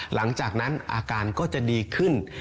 หลังจากนั้นอาการก็จะดีขึ้น